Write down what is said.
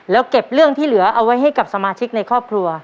แล้วเก็บเรื่องที่เหลือเอาไว้ให้กับสมาชิกในครอบครัว